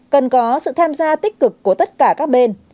cần có sự tham gia tích cực của tất cả các bên